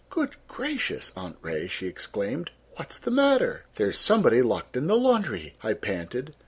"Good gracious, Aunt Ray," she exclaimed, "what is the matter?" "There's somebody locked in the laundry," I panted.